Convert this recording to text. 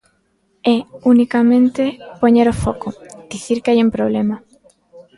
É unicamente poñer o foco, dicir que hai un problema.